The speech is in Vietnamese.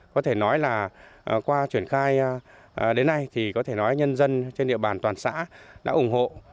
có thể nói là qua triển khai đến nay thì có thể nói nhân dân trên địa bàn toàn xã đã ủng hộ